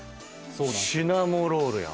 シナモロールやわ。